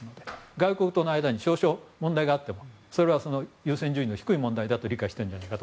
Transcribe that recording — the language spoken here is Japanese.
外国との間に少々問題があってもそれは優先順位の低い問題だと理解してるんじゃないかと。